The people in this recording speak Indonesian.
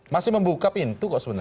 masih membuka pintu kok sebenarnya